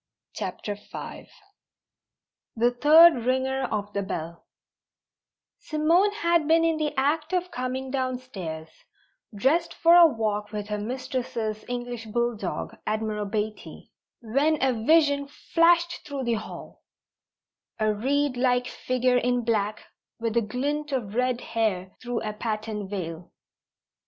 CHAPTER V THE THIRD RINGER OF THE BELL Simone had been in the act of coming downstairs, dressed for a walk with her mistress's English bulldog, Admiral Beatty, when a vision flashed through the hall: a reedlike figure in black with a glint of red hair through a patterned veil.